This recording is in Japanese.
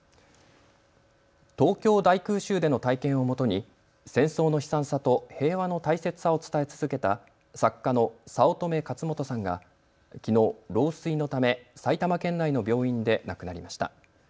東京大空襲での体験を基に戦争の悲惨さと平和の大切さを伝え続けた作家の早乙女勝元さんがきのう老衰のため埼玉県内の病院で亡くなりました。